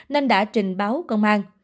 nên đã trình báo công an